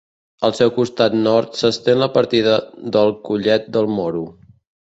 Al seu costat nord s'estén la partida del Collet del Moro.